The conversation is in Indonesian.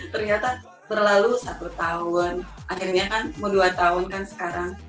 ternyata berlalu satu tahun akhirnya kan mau dua tahun kan sekarang